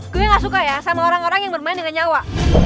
gue gak suka ya sama orang orang yang bermain dengan nyawa